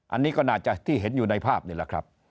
อันนี้ก็น่าจะที่เห็นอยู่ในภาพนี่แหละครับ